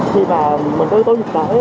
khi mà mình đưa tối dịch tới